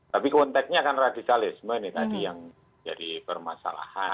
tapi konteknya akan radikalisme ini tadi yang jadi permasalahan